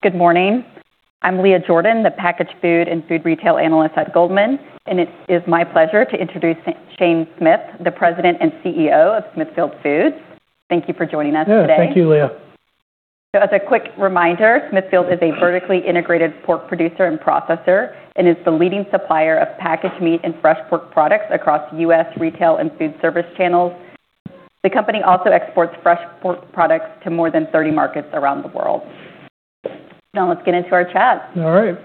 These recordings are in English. Good morning. I'm Leah Jordan, the packaged food and food retail analyst at Goldman, and it is my pleasure to introduce Shane Smith, the President and CEO of Smithfield Foods. Thank you for joining us today. Yeah. Thank you, Leah. As a quick reminder, Smithfield is a vertically integrated pork producer and processor, and is the leading supplier of packaged meat and fresh pork products across U.S. retail and food service channels. The company also exports fresh pork products to more than 30 markets around the world. Let's get into our chat. All right.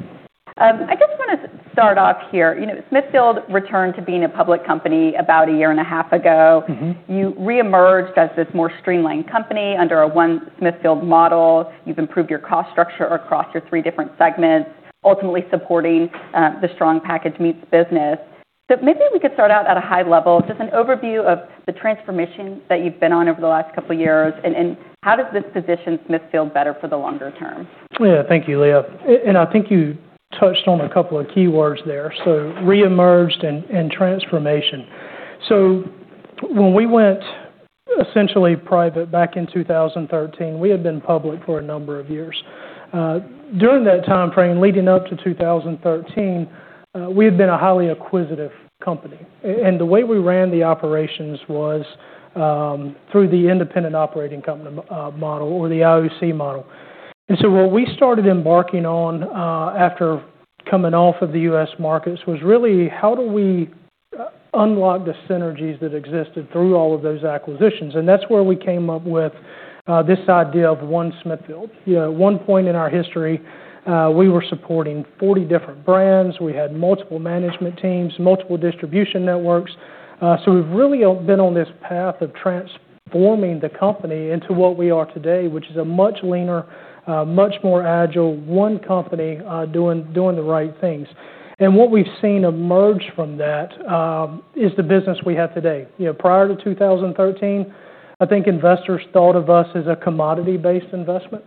I just wanna start off here. You know, Smithfield returned to being a public company about a year and a half ago. You reemerged as this more streamlined company under a One Smithfield model. You've improved your cost structure across your three different segments, ultimately supporting the strong packaged meats business. Maybe we could start out at a high level, just an overview of the transformation that you've been on over the last couple years and how does this position Smithfield better for the longer term? Thank you, Leah. I think you touched on a couple of keywords there, reemerged and transformation. When we went essentially private back in 2013, we had been public for a number of years. During that timeframe leading up to 2013, we had been a highly acquisitive company. The way we ran the operations was through the independent operating company model or the IOC model. What we started embarking on after coming off of the U.S. markets was really how do we unlock the synergies that existed through all of those acquisitions? That's where we came up with this idea of One Smithfield. You know, at one point in our history, we were supporting 40 different brands. We had multiple management teams, multiple distribution networks. We've really been on this path of transforming the company into what we are today, which is a much leaner, a much more agile, one company, doing the right things. What we've seen emerge from that is the business we have today. You know, prior to 2013, I think investors thought of us as a commodity-based investment.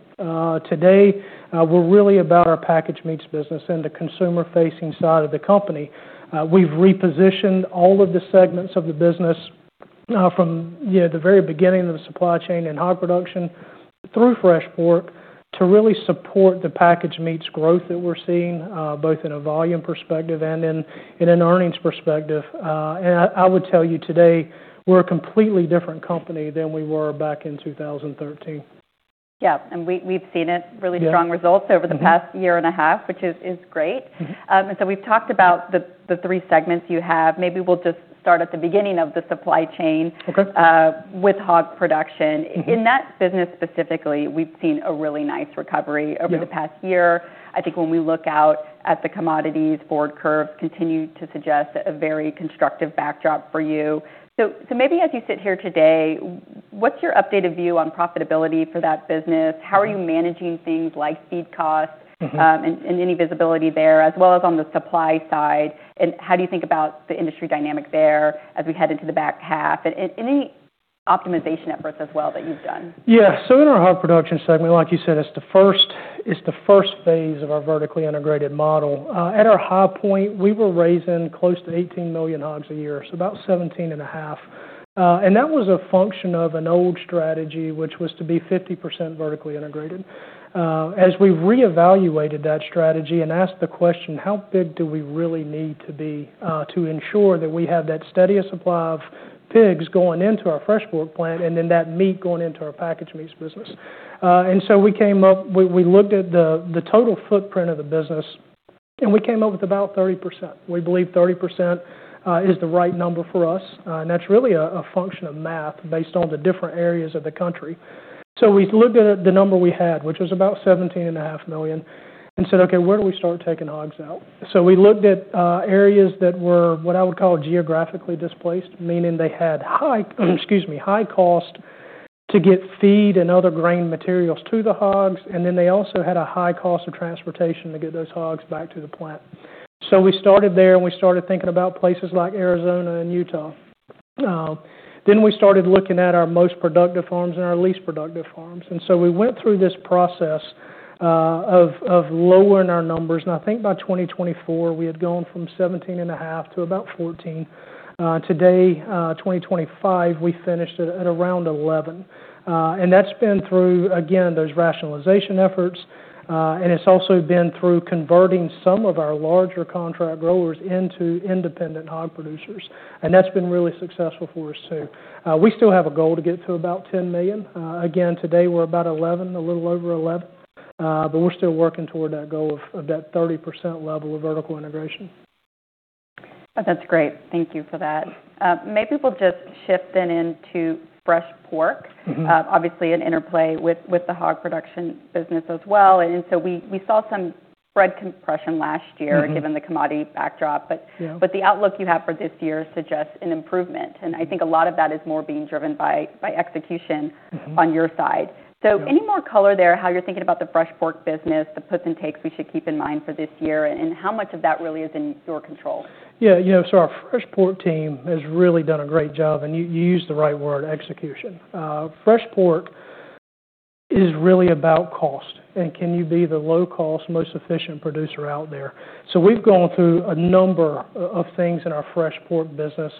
Today, we're really about our packaged meats business and the consumer-facing side of the company. We've repositioned all of the segments of the business, from, you know, the very beginning of the supply chain and hog production through fresh pork to really support the packaged meats growth that we're seeing, both in a volume perspective and in an earnings perspective. I would tell you today we're a completely different company than we were back in 2013. Yeah. We've seen it. Yeah. Really strong results over the past year and a half, which is great. We've talked about the three segments you have. Maybe we'll just start at the beginning of the supply chain. Okay with hog production. In that business specifically, we've seen a really nice recovery. Yeah over the past year. I think when we look out at the commodities forward curve continue to suggest a very constructive backdrop for you. Maybe as you sit here today, what's your updated view on profitability for that business? How are you managing things like feed costs? Any visibility there, as well as on the supply side? How do you think about the industry dynamic there as we head into the back half? Any optimization efforts as well that you've done? Yeah. In our hog production segment, like you said, it's the first phase of our vertically integrated model. At our high point, we were raising close to 18 million hogs a year, so about 17.5. And that was a function of an old strategy, which was to be 50% vertically integrated. As we reevaluated that strategy and asked the question, "How big do we really need to be to ensure that we have that steady supply of pigs going into our fresh pork plant and then that meat going into our packaged meats business?" We looked at the total footprint of the business, and we came up with about 30%. We believe 30% is the right number for us. That's really a function of math based on the different areas of the country. We looked at the number we had, which was about 17.5 million, and said, "Okay, where do we start taking hogs out?" We looked at areas that were, what I would call geographically displaced, meaning they had high cost to get feed and other grain materials to the hogs, and then they also had a high cost of transportation to get those hogs back to the plant. We started there, and we started thinking about places like Arizona and Utah. Then we started looking at our most productive farms and our least productive farms. We went through this process of lowering our numbers, and I think by 2024, we had gone from 17.5 to about 14. Today, 2025, we finished at around 11. That's been through, again, those rationalization efforts, and it's also been through converting some of our larger contract growers into independent hog producers, and that's been really successful for us too. We still have a goal to get to about 10 million. Again, today we're about 11, a little over 11, but we're still working toward that goal of that 30% level of vertical integration. That's great. Thank you for that. Maybe we'll just shift then into fresh pork. Obviously an interplay with the hog production business as well. We saw some spread compression last year. given the commodity backdrop. Yeah The outlook you have for this year suggests an improvement, and I think a lot of that is more being driven by execution. on your side. Yeah. Any more color there, how you're thinking about the fresh pork business, the puts and takes we should keep in mind for this year, and how much of that really is in your control? Yeah. You know, our fresh pork team has really done a great job, and you used the right word, execution. Fresh pork is really about cost, and can you be the low-cost, most efficient producer out there? We've gone through a number of things in our fresh pork business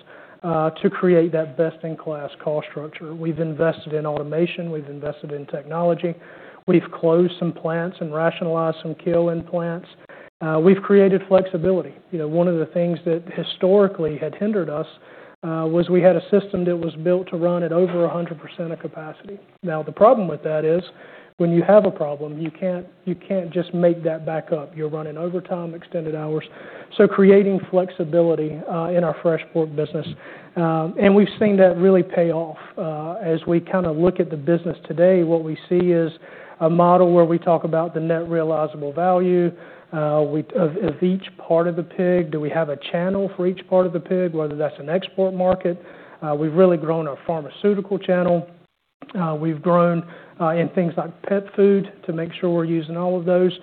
to create that best-in-class cost structure. We've invested in automation. We've invested in technology. We've closed some plants and rationalized some kill plants. We've created flexibility. You know, one of the things that historically had hindered us was we had a system that was built to run at over 100% of capacity. Now, the problem with that is when you have a problem, you can't just make that back up. You're running overtime, extended hours. Creating flexibility in our fresh pork business. We've seen that really pay off. As we kind of look at the business today, what we see is a model where we talk about the net realizable value of each part of the pig. Do we have a channel for each part of the pig, whether that's an export market? We've really grown our pharmaceutical channel. We've grown in things like pet food to make sure we're using all of those.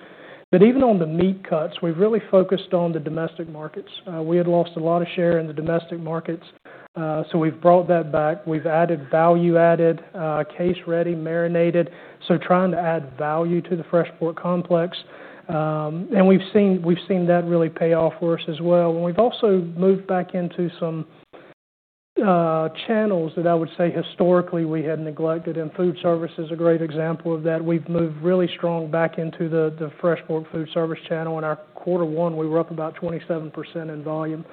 Even on the meat cuts, we've really focused on the domestic markets. We had lost a lot of share in the domestic markets, so we've brought that back. We've added value-added, case-ready marinated, so trying to add value to the fresh pork complex. We've seen that really pay off for us as well. We've also moved back into some channels that I would say historically we had neglected, and food service is a great example of that. We've moved really strong back into the fresh pork food service channel. In our quarter 1, we were up about 27% in volume.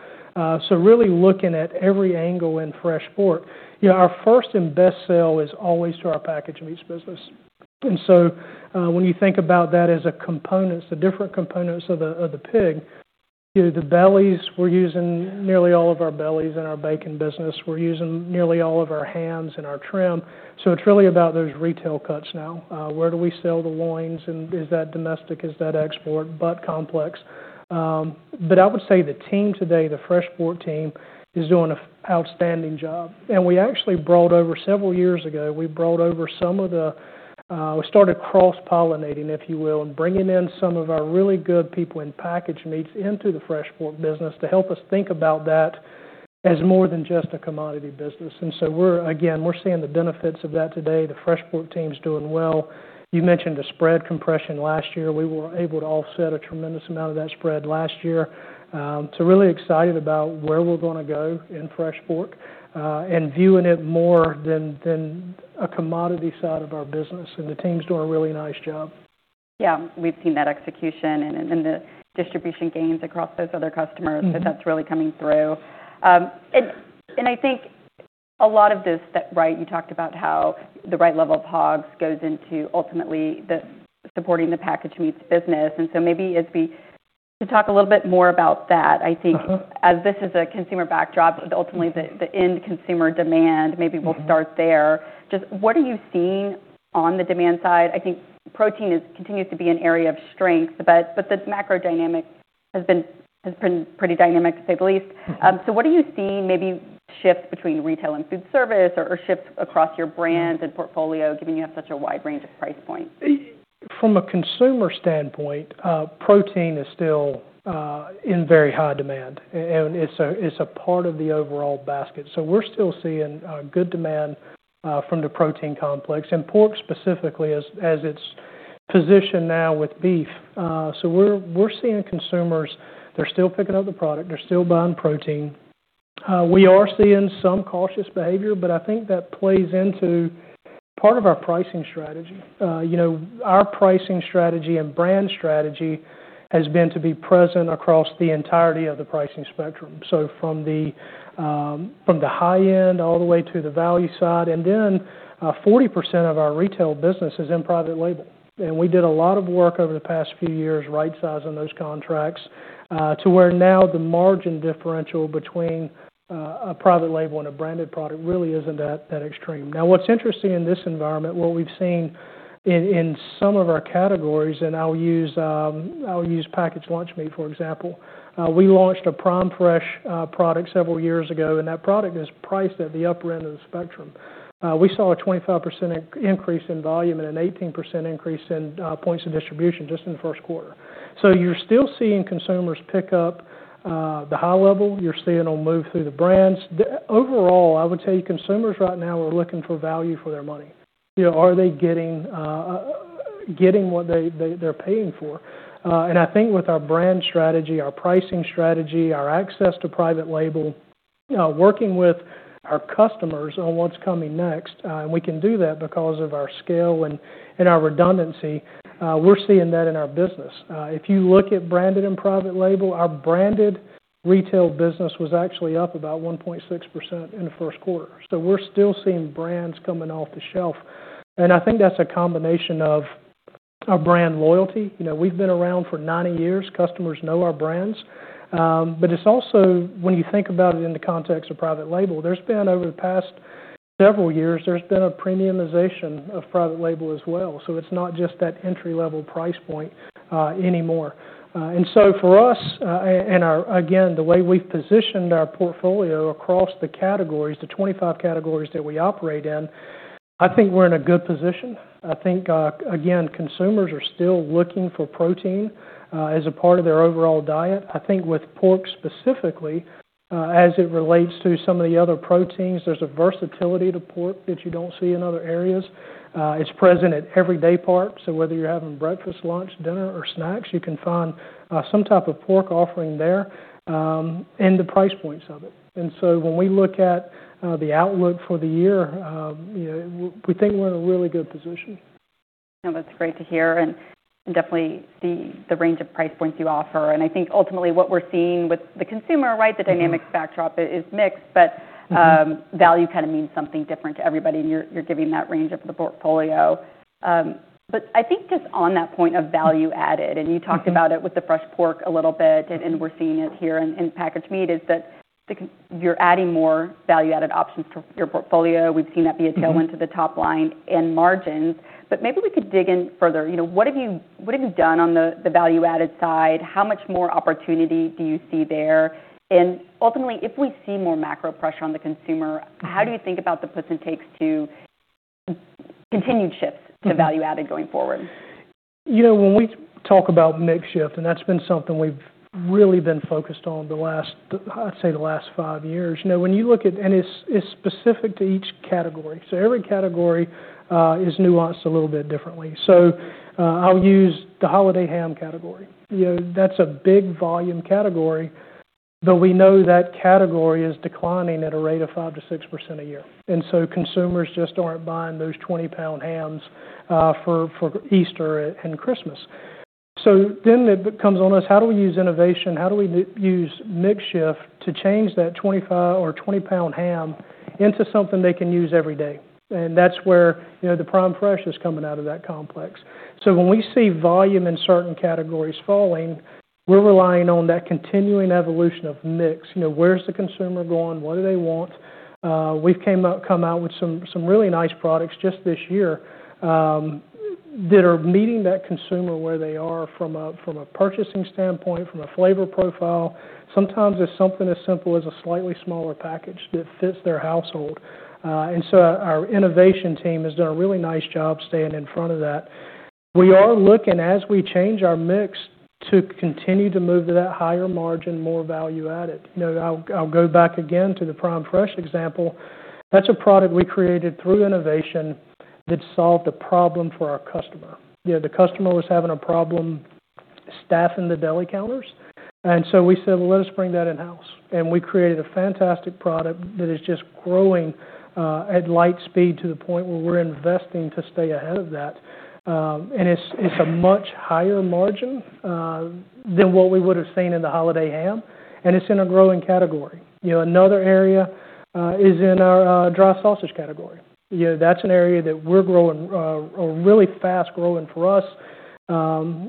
Really looking at every angle in fresh pork. You know, our first and best sell is always to our packaged meats business. When you think about that as components, the different components of the pig, you know, the bellies, we're using nearly all of our bellies in our bacon business. We're using nearly all of our hams in our trim. It's really about those retail cuts now. Where do we sell the loins, and is that domestic, is that export, butt complex? I would say the team today, the fresh pork team, is doing a outstanding job. Several years ago, we started cross-pollinating, if you will, and bringing in some of our really good people in packaged meats into the fresh pork business to help us think about that as more than just a commodity business. We're, again, we're seeing the benefits of that today. The fresh pork team's doing well. You mentioned the spread compression last year. We were able to offset a tremendous amount of that spread last year. Really excited about where we're gonna go in fresh pork, and viewing it more than a commodity side of our business, and the team's doing a really nice job. Yeah. We've seen that execution and the distribution gains across those other customers. that's really coming through. I think a lot of this, that, right, you talked about how the right level of hogs goes into ultimately supporting the packaged meats business. Maybe as we could talk a little bit more about that. as this is a consumer backdrop, ultimately the end consumer demand. We'll start there. Just what are you seeing on the demand side? I think protein continues to be an area of strength, but the macro dynamic has been pretty dynamic, to say the least. What are you seeing maybe shift between retail and food service or shift across your brands and portfolio, given you have such a wide range of price points? From a consumer standpoint, protein is still in very high demand. It's a part of the overall basket. We're still seeing good demand from the protein complex and pork specifically as it's positioned now with beef. We're seeing consumers, they're still picking up the product. They're still buying protein. We are seeing some cautious behavior, but I think that plays into part of our pricing strategy. You know, our pricing strategy and brand strategy has been to be present across the entirety of the pricing spectrum, from the high end all the way to the value side. 40% of our retail business is in private label. We did a lot of work over the past few years right-sizing those contracts, to where now the margin differential between a private label and a branded product really isn't that extreme. What's interesting in this environment, what we've seen in some of our categories, and I'll use packaged lunch meat, for example. We launched a Prime Fresh product several years ago, and that product is priced at the upper end of the spectrum. We saw a 25% increase in volume and an 18% increase in points of distribution just in the first quarter. You're still seeing consumers pick up the high level. You're seeing them move through the brands. Overall, I would tell you consumers right now are looking for value for their money. You know, are they getting what they're paying for? I think with our brand strategy, our pricing strategy, our access to private label, working with our customers on what's coming next, and we can do that because of our scale and our redundancy, we're seeing that in our business. If you look at branded and private label, our branded retail business was actually up about 1.6% in the first quarter. We're still seeing brands coming off the shelf, and I think that's a combination of our brand loyalty. You know, we've been around for 90 years. Customers know our brands. It's also, when you think about it in the context of private label, there's been, over the past several years, there's been a premiumization of private label as well, so it's not just that entry-level price point anymore. For us, and our, again, the way we've positioned our portfolio across the categories, the 25 categories that we operate in, I think we're in a good position. I think, again, consumers are still looking for protein as a part of their overall diet. I think with pork specifically, as it relates to some of the other proteins, there's a versatility to pork that you don't see in other areas. It's present at every day part, so whether you're having breakfast, lunch, dinner, or snacks, you can find some type of pork offering there, and the price points of it. When we look at the outlook for the year, we think we're in a really good position. No, that's great to hear, definitely the range of price points you offer. I think ultimately what we're seeing with the consumer, right. The dynamics backdrop is mixed. value kinda means something different to everybody, and you're giving that range of the portfolio. I think just on that point of value added, and you talked. about it with the fresh pork a little bit and we're seeing it here in packaged meat, is that you're adding more value-added options for your portfolio. a tailwind to the top line and margins. Maybe we could dig in further. You know, what have you done on the value-added side? How much more opportunity do you see there? Ultimately, if we see more macro pressure on the consumer? how do you think about the puts and takes to continued shifts? to value added going forward? You know, when we talk about mix shift, that's been something we've really been focused on the last, I'd say the last five years. You know, when you look at it's specific to each category. Every category is nuanced a little bit differently. I'll use the holiday ham category. You know, that's a big volume category, we know that category is declining at a rate of 5%-6% a year. Consumers just aren't buying those 20-lb hams for Easter and Christmas. Then it comes on us, how do we use innovation? How do we use mix shift to change that 25 or 20-pound ham into something they can use every day? That's where, you know, the Prime Fresh is coming out of that complex. When we see volume in certain categories falling, we're relying on that continuing evolution of mix. You know, where's the consumer going? What do they want? We've come out with some really nice products just this year that are meeting that consumer where they are from a purchasing standpoint, from a flavor profile. Sometimes it's something as simple as a slightly smaller package that fits their household. Our innovation team has done a really nice job staying in front of that. We are looking, as we change our mix, to continue to move to that higher margin, more value added. You know, I'll go back again to the Prime Fresh example. That's a product we created through innovation that solved a problem for our customer. You know, the customer was having a problem staffing the deli counters. We said, "Well, let us bring that in-house." We created a fantastic product that is just growing at light speed to the point where we're investing to stay ahead of that. It's a much higher margin than what we would've seen in the holiday ham, and it's in a growing category. You know, another area is in our dry sausage category. You know, that's an area that we're growing or really fast growing for us.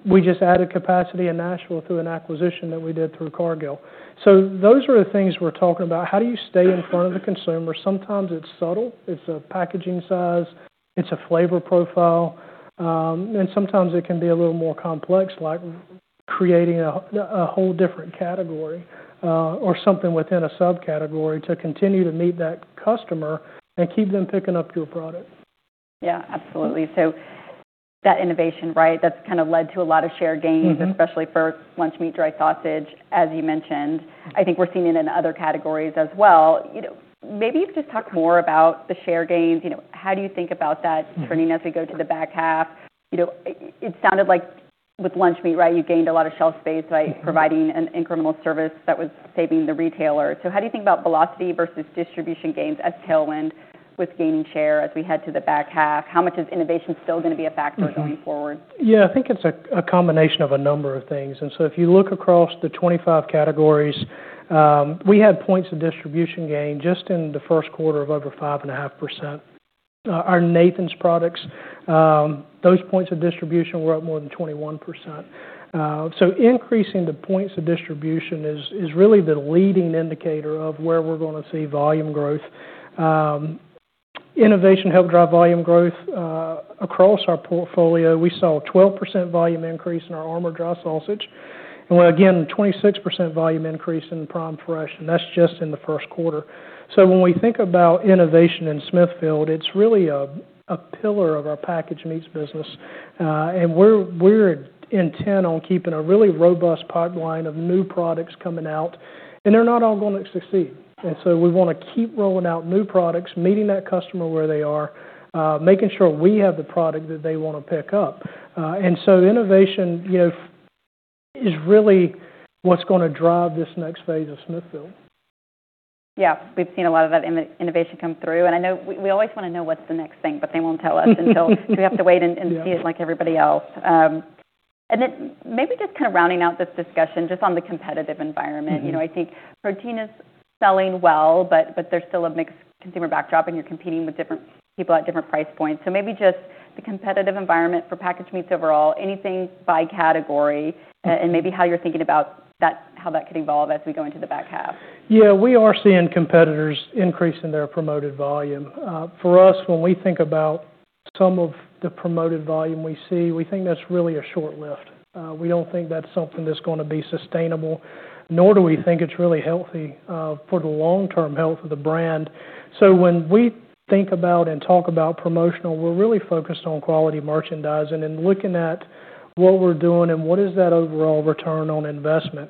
We just added capacity in Nashville through an acquisition that we did through Cargill. Those are the things we're talking about. How do you stay in front of the consumer? Sometimes it's subtle, it's a packaging size, it's a flavor profile, and sometimes it can be a little more complex, like creating a whole different category, or something within a subcategory to continue to meet that customer and keep them picking up your product. Yeah, absolutely. That innovation, right, that's kinda led to a lot of share gains. especially for lunch meat, dry sausage, as you mentioned. I think we're seeing it in other categories as well. You know, maybe just talk more about the share gains. You know, how do you think about that? turning as we go to the back half? You know, it sounded like with lunch meat, right, you gained a lot of shelf space. providing an incremental service that was saving the retailer. How do you think about velocity versus distribution gains as tailwind with gaining share as we head to the back half? How much is innovation still going to be a factor? going forward? Yeah. I think it's a combination of a number of things. If you look across the 25 categories, we had points of distribution gain just in the first quarter of over 5.5%. Our Nathan's products, those points of distribution were up more than 21%. Increasing the points of distribution is really the leading indicator of where we're gonna see volume growth. Innovation helped drive volume growth across our portfolio. We saw a 12% volume increase in our Armour dry sausage and, again, a 26% volume increase in Prime Fresh, and that's just in the first quarter. When we think about innovation in Smithfield, it's really a pillar of our packaged meats business. We're intent on keeping a really robust pipeline of new products coming out, and they're not all gonna succeed. We wanna keep rolling out new products, meeting that customer where they are, making sure we have the product that they wanna pick up. Innovation, you know, is really what's gonna drive this next phase of Smithfield. Yeah. We've seen a lot of that innovation come through. I know we always wanna know what's the next thing. They won't tell us until. We have to wait and see. Yeah it like everybody else. Then maybe just kind of rounding out this discussion just on the competitive environment. You know, I think protein is selling well, but there's still a mixed consumer backdrop, and you're competing with different people at different price points. Maybe just the competitive environment for packaged meats overall, anything by category, and maybe how you're thinking about that, how that could evolve as we go into the back half? We are seeing competitors increasing their promoted volume. For us, when we think about some of the promoted volume we see, we think that's really a short lift. We don't think that's something that's gonna be sustainable, nor do we think it's really healthy for the long-term health of the brand. When we think about and talk about promotional, we're really focused on quality merchandising and looking at what we're doing and what is that overall return on investment.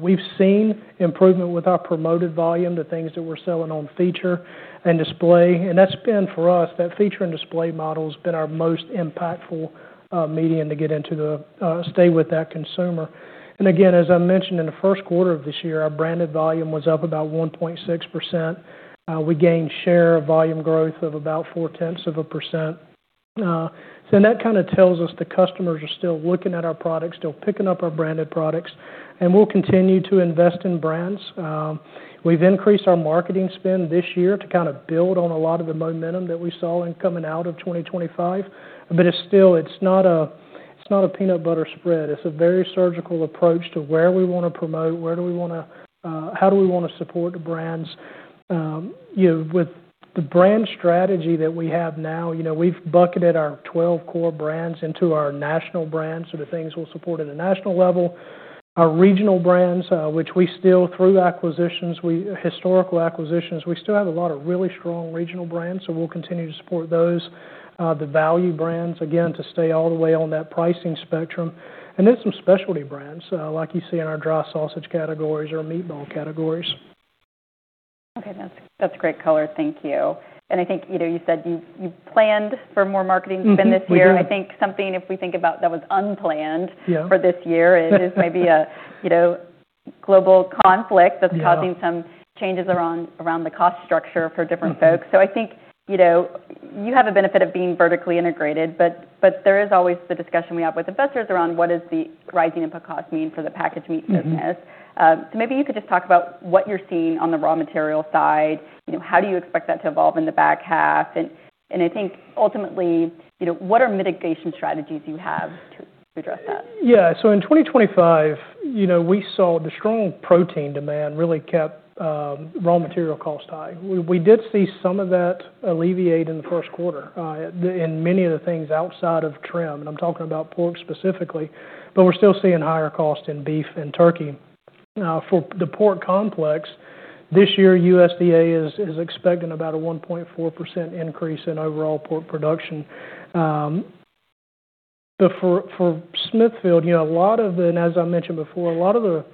We've seen improvement with our promoted volume, the things that we're selling on feature and display, and that's been, for us, that feature and display model's been our most impactful medium to get into the stay with that consumer. Again, as I mentioned, in the first quarter of this year, our branded volume was up about 1.6%. We gained share volume growth of about 0.4%. That kind of tells us the customers are still looking at our products, still picking up our branded products, and we'll continue to invest in brands. We've increased our marketing spend this year to kind of build on a lot of the momentum that we saw in coming out of 2025. It's still, it's not a peanut butter spread. It's a very surgical approach to where we wanna promote, where do we wanna, how do we wanna support the brands. You know, with the brand strategy that we have now, you know, we've bucketed our 12 core brands into our national brands, so the things we'll support at a national level. Our regional brands, which we still, through acquisitions, historical acquisitions, we still have a lot of really strong regional brands, we'll continue to support those. The value brands, again, to stay all the way on that pricing spectrum. Some specialty brands, like you see in our dry sausage categories or meatball categories. Okay. That's, that's great color. Thank you. I think, you know, you said you planned for more marketing- Mm-hmm. We did spend this year. I think something, if we think about that was unplanned. Yeah for this year is maybe a, you know, global conflict. Yeah that's causing some changes around the cost structure for different folks. I think, you know, you have a benefit of being vertically integrated, but there is always the discussion we have with investors around what is the rising input costs mean for the packaged meat business. Maybe you could just talk about what you're seeing on the raw material side. You know, how do you expect that to evolve in the back half? I think ultimately, you know, what are mitigation strategies you have to address that? Yeah. In 2025, you know, we saw the strong protein demand really kept raw material costs high. We did see some of that alleviate in the first quarter, in many of the things outside of trim, and I'm talking about pork specifically, we're still seeing higher cost in beef and turkey. For the pork complex, this year, USDA is expecting about a 1.4% increase in overall pork production. For Smithfield, you know, a lot of the, and as I mentioned before, a lot of the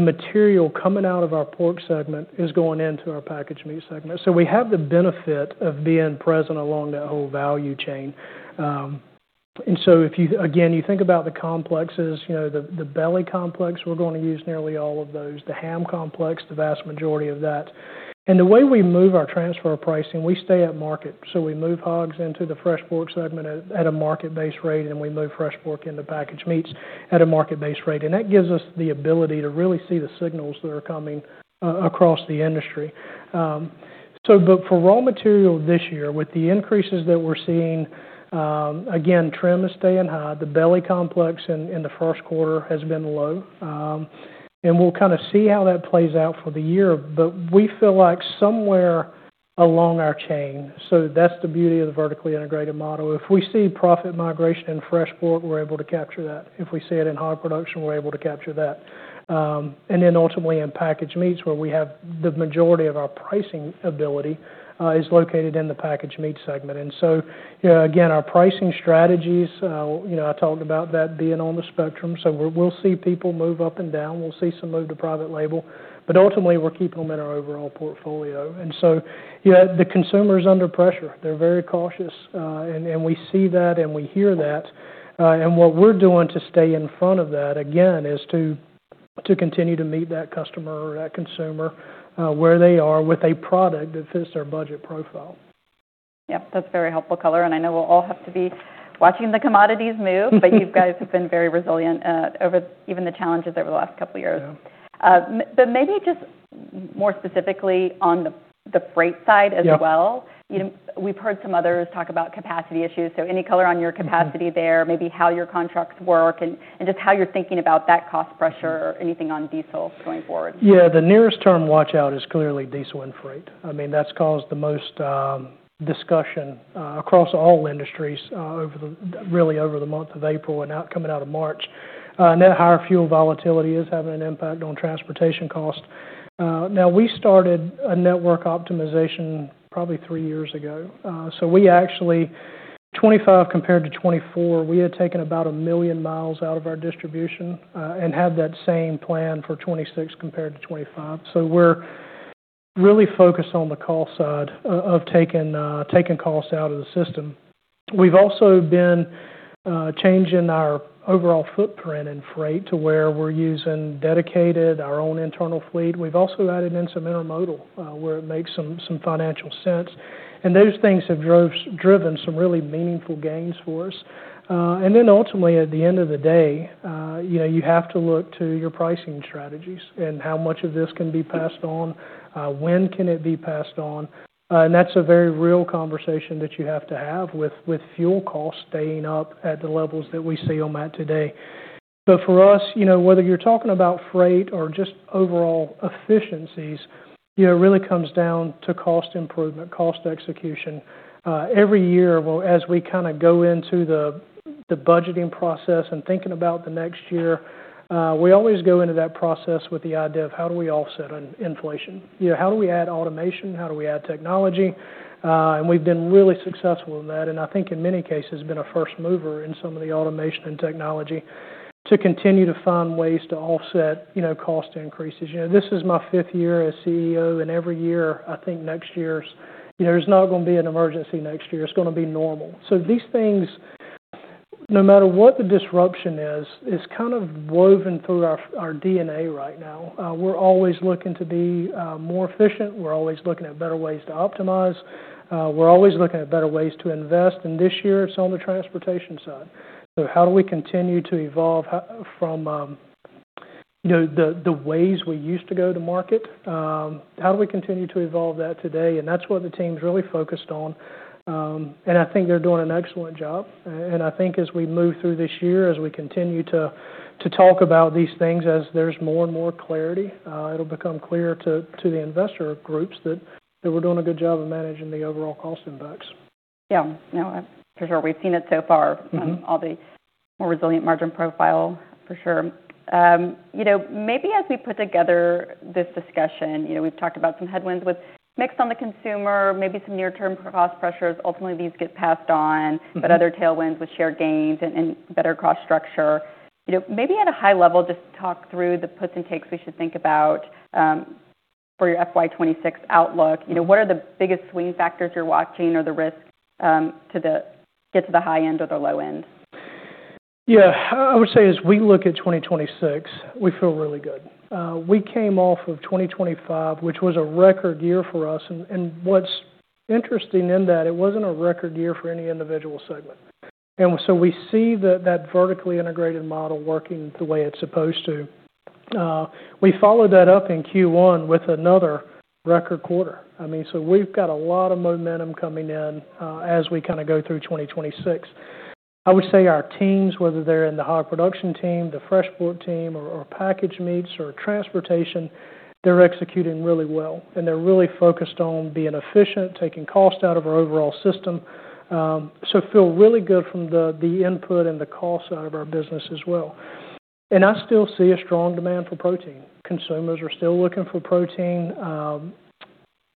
material coming out of our pork segment is going into our packaged meat segment. We have the benefit of being present along that whole value chain. If you, again, you think about the complexes, you know, the belly complex, we're going to use nearly all of those. The ham complex, the vast majority of that. The way we move our transfer pricing, we stay at market. We move hogs into the fresh pork segment at a market-based rate, and we move fresh pork into packaged meats at a market-based rate. That gives us the ability to really see the signals that are coming across the industry. For raw material this year, with the increases that we're seeing, again, trim is staying high. The belly complex in the first quarter has been low. We'll kind of see how that plays out for the year. We feel like somewhere along our chain, that's the beauty of the vertically integrated model. If we see profit migration in fresh pork, we're able to capture that. If we see it in hog production, we're able to capture that. Ultimately in packaged meats, where we have the majority of our pricing ability, is located in the packaged meat segment. You know, again, our pricing strategies, you know, I talked about that being on the spectrum. We'll see people move up and down. We'll see some move to private label. Ultimately, we'll keep them in our overall portfolio. You know, the consumer is under pressure. They're very cautious, and we see that, and we hear that. What we're doing to stay in front of that, again, is to continue to meet that customer or that consumer where they are with a product that fits their budget profile. Yep. That's very helpful color, I know we'll all have to be watching the commodities move. You guys have been very resilient, over even the challenges over the last two years. Yeah. maybe just more specifically on the freight side as well. Yeah. You know, we've heard some others talk about capacity issues, so any color on your capacity there? Maybe how your contracts work and just how you're thinking about that cost pressure. Anything on diesel going forward. Yeah. The nearest term watch-out is clearly diesel and freight. I mean, that's caused the most discussion across all industries really over the month of April and coming out of March. Net higher fuel volatility is having an impact on transportation cost. Now we started a network optimization probably three years ago. We actually, 25 compared to 24, we had taken about 1 million miles out of our distribution and have that same plan for 26 compared to 25. We're really focused on the cost side of taking cost out of the system. We've also been changing our overall footprint in freight to where we're using dedicated, our own internal fleet. We've also added in some intermodal where it makes some financial sense. Those things have driven some really meaningful gains for us. Ultimately, at the end of the day, you know, you have to look to your pricing strategies and how much of this can be passed on, when can it be passed on. That's a very real conversation that you have to have with fuel costs staying up at the levels that we see them at today. For us, you know, whether you're talking about freight or just overall efficiencies, you know, it really comes down to cost improvement, cost execution. Every year, as we kinda go into the budgeting process and thinking about the next year, we always go into that process with the idea of how do we offset inflation? You know, how do we add automation? How do we add technology? We've been really successful in that, and I think in many cases been a first mover in some of the automation and technology to continue to find ways to offset, you know, cost increases. You know, this is my 5th year as CEO, and every year, I think next year's, you know, there's not gonna be an emergency next year. It's gonna be normal. No matter what the disruption is, it's kind of woven through our DNA right now. We're always looking to be more efficient. We're always looking at better ways to optimize. We're always looking at better ways to invest, and this year it's on the transportation side. How do we continue to evolve from, you know, the ways we used to go to market? How do we continue to evolve that today? That's what the team's really focused on. I think they're doing an excellent job. I think as we move through this year, as we continue to talk about these things, as there's more and more clarity, it'll become clear to the investor groups that we're doing a good job of managing the overall cost impacts. Yeah. No, for sure. We've seen it so far. All the more resilient margin profile for sure. You know, maybe as we put together this discussion, you know, we've talked about some headwinds with mix on the consumer, maybe some near-term cost pressures. Ultimately, these get passed on. Other tailwinds with shared gains and better cost structure. You know, maybe at a high level, just talk through the puts and takes we should think about for your FY 2026 outlook. You know, what are the biggest swing factors you're watching or the risk to get to the high end or the low end? Yeah. I would say as we look at 2026, we feel really good. We came off of 2025, which was a record year for us. What's interesting in that, it wasn't a record year for any individual segment. We see that vertically integrated model working the way it's supposed to. We followed that up in Q1 with another record quarter. I mean, we've got a lot of momentum coming in, as we kind of go through 2026. I would say our teams, whether they're in the hog production team, the fresh pork team or packaged meats or transportation, they're executing really well, and they're really focused on being efficient, taking cost out of our overall system. Feel really good from the input and the cost side of our business as well. I still see a strong demand for protein. Consumers are still looking for protein.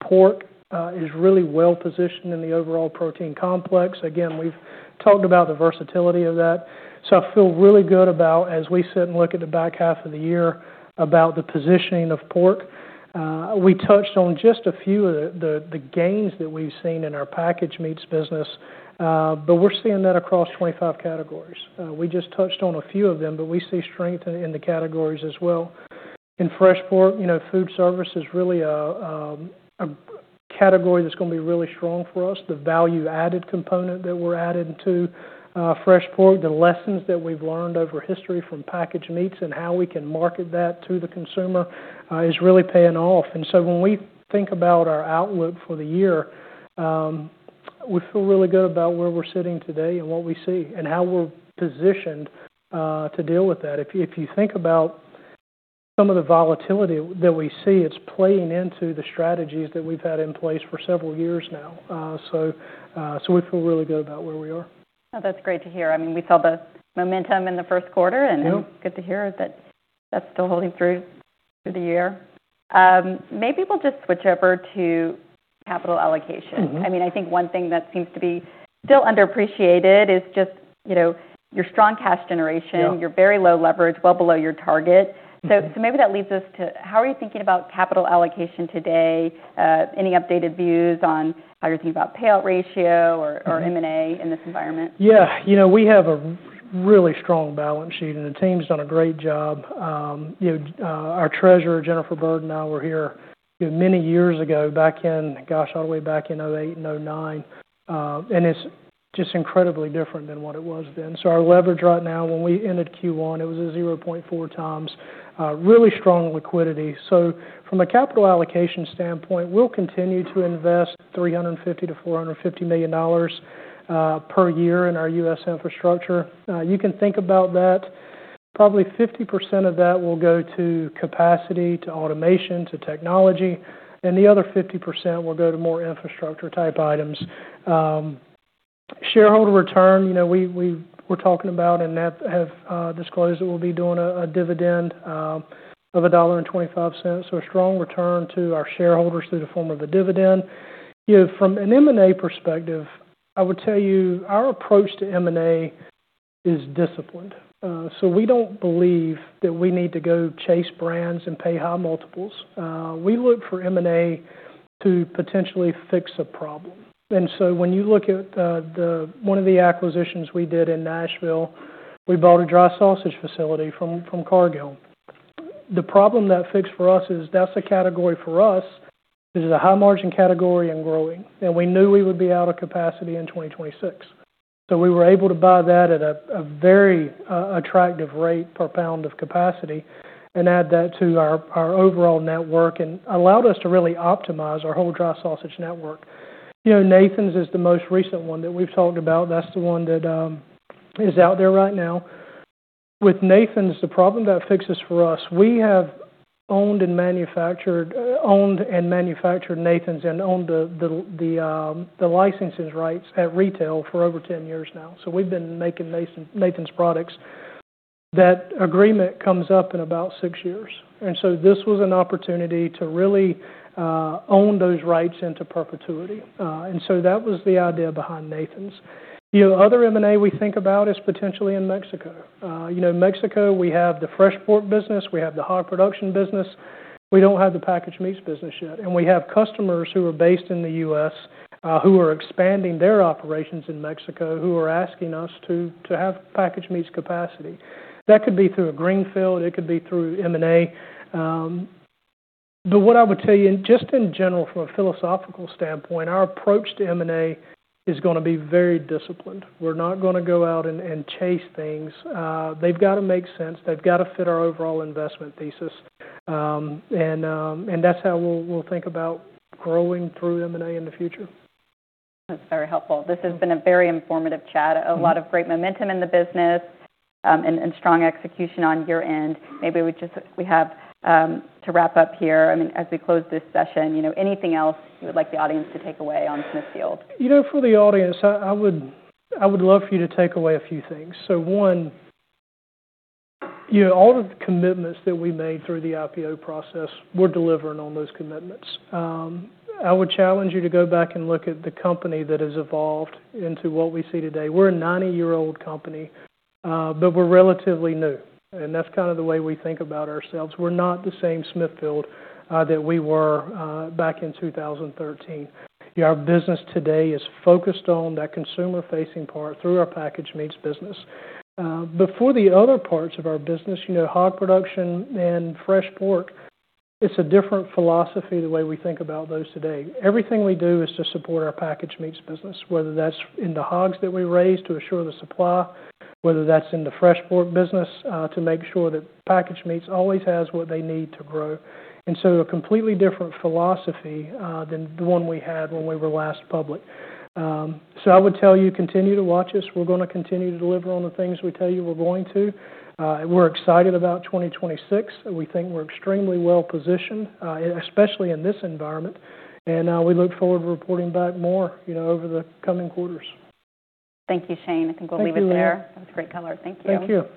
Pork is really well positioned in the overall protein complex. Again, we've talked about the versatility of that, so I feel really good about as we sit and look at the back half of the year about the positioning of pork. We touched on just a few of the gains that we've seen in our packaged meats business, but we're seeing that across 25 categories. We just touched on a few of them, but we see strength in the categories as well. In fresh pork, you know, food service is really a category that's gonna be really strong for us. The value-added component that we're adding to fresh pork, the lessons that we've learned over history from packaged meats and how we can market that to the consumer, is really paying off. When we think about our outlook for the year, we feel really good about where we're sitting today and what we see and how we're positioned to deal with that. If you think about some of the volatility that we see, it's playing into the strategies that we've had in place for several years now. We feel really good about where we are. Oh, that's great to hear. I mean, we saw the momentum in the first quarter. Yep Good to hear that that's still holding through the year. Maybe we'll just switch over to capital allocation. I mean, I think one thing that seems to be still underappreciated is just, you know, your strong cash generation. Yeah. Your very low leverage, well below your target. Maybe that leads us to how are you thinking about capital allocation today? Any updated views on how you're thinking about payout ratio or M&A in this environment? Yeah. You know, we have a really strong balance sheet, and the team's done a great job. You know, our Treasurer, Jenifer Byrd, and I were here many years ago, back in, gosh, all the way back in 2008 and 2009, and it's just incredibly different than what it was then. Our leverage right now, when we ended Q1, it was a 0.4x, really strong liquidity. From a capital allocation standpoint, we'll continue to invest $350 million-$450 million per year in our U.S. infrastructure. You can think about that. Probably 50% of that will go to capacity, to automation, to technology, and the other 50% will go to more infrastructure-type items. Shareholder return, you know, we're talking about and have disclosed that we'll be doing a dividend of $1.25, a strong return to our shareholders through the form of a dividend. You know from an M&A perspective, I would tell you our approach to M&A is disciplined. We don't believe that we need to go chase brands and pay high multiples. We look for M&A to potentially fix a problem. When you look at the 1 of the acquisitions we did in Nashville, we bought a dry sausage facility from Cargill. The problem that fixed for us is that's a category for us. This is a high-margin category and growing, and we knew we would be out of capacity in 2026. We were able to buy that at a very attractive rate per pound of capacity and add that to our overall network, and allowed us to really optimize our whole dry sausage network. You know, Nathan's is the most recent one that we've talked about. That's the one that is out there right now. With Nathan's, the problem that fixes for us, we have owned and manufactured Nathan's and owned the licenses rights at retail for over 10 years now. We've been making Nathan's products. That agreement comes up in about six years, this was an opportunity to really own those rights into perpetuity. That was the idea behind Nathan's. The other M&A we think about is potentially in Mexico. You know, Mexico, we have the fresh pork business. We have the hog production business. We don't have the packaged meats business yet, and we have customers who are based in the U.S., who are expanding their operations in Mexico, who are asking us to have packaged meats capacity. That could be through a greenfield, it could be through M&A. What I would tell you, just in general, from a philosophical standpoint, our approach to M&A is gonna be very disciplined. We're not gonna go out and chase things. They've gotta make sense. They've gotta fit our overall investment thesis. That's how we'll think about growing through M&A in the future. That's very helpful. This has been a very informative chat. A lot of great momentum in the business, and strong execution on your end. Maybe we have to wrap up here. I mean, as we close this session, you know, anything else you would like the audience to take away on Smithfield? You know, for the audience, I would love for you to take away a few things. One, you know, all of the commitments that we made through the IPO process, we're delivering on those commitments. I would challenge you to go back and look at the company that has evolved into what we see today. We're a 90-year-old company, but we're relatively new, and that's kind of the way we think about ourselves. We're not the same Smithfield that we were back in 2013. Our business today is focused on that consumer-facing part through our packaged meats business. For the other parts of our business, you know, hog production and fresh pork, it's a different philosophy the way we think about those today. Everything we do is to support our packaged meats business, whether that's in the hogs that we raise to assure the supply, whether that's in the fresh pork business, to make sure that packaged meats always has what they need to grow. A completely different philosophy than the one we had when we were last public. I would tell you, continue to watch us. We're gonna continue to deliver on the things we tell you we're going to. We're excited about 2026. We think we're extremely well-positioned, especially in this environment, and we look forward to reporting back more, you know, over the coming quarters. Thank you, Shane. I think we'll leave it there. Thank you. That was great color. Thank you. Thank you.